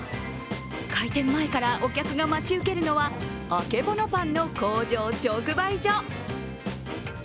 開店前からお客が待ち受けるのはあけぼのパンの工場直売所。